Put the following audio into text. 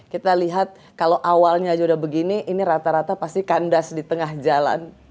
kita lihat kalau awalnya aja udah begini ini rata rata pasti kandas di tengah jalan